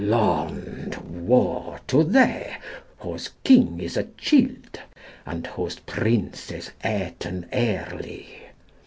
Lond, i wo to thee, whos kyng is a child, and whose princes eten eerli.